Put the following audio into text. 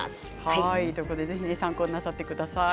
参考になさってください。